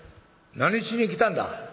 何しに来たんだ？」。